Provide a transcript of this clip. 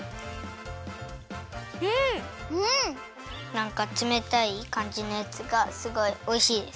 なんかつめたいかんじのやつがすごいおいしいです。